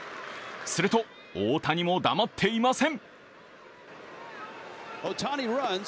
すると、大谷も黙っていません。